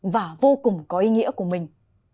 và vô cùng có ý nghĩa của mình